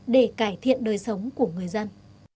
để cải thiện đời sống của người dân